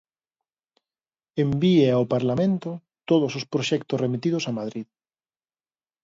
Envíe ao Parlamento todos os proxectos remitidos a Madrid.